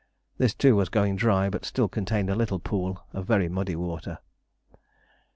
This, too, was going dry, but still contained a little pool of very muddy water.